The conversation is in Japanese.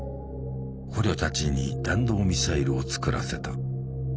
捕虜たちに弾道ミサイルを造らせた。